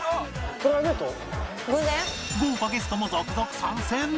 豪華ゲストも続々参戦